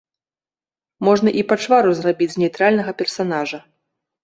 Можна і пачвару зрабіць з нейтральнага персанажа.